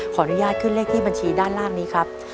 ขออนุญาตขึ้นเลขที่บัญชีด้านล่างนี้ครับ